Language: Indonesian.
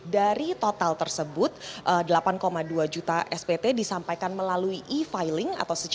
dari total tersebut delapan dua juta spt disampaikan melalui e filing atau e pageling